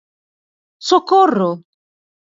¡Socorro...!